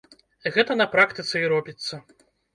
Гэта на практыцы і робіцца.